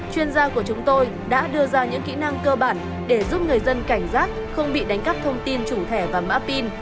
chuyên gia của chúng tôi đã đưa ra những kỹ năng cơ bản để giúp người dân cảnh giác không bị đánh cắp thông tin chủ thẻ và mã pin